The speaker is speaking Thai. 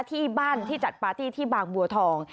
ที่บ้านที่จัดปาร์ตี้ที่บางบัวทอง